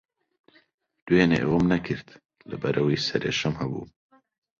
دوێنێ ئەوەم نەکرد، لەبەرەوەی سەرێشەم ھەبوو.